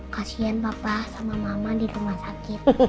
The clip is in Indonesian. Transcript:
kasian papa sama mama di rumah sakit